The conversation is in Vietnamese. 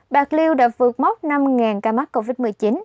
bạc liêu đã vượt mốc năm ca mắc covid một mươi chín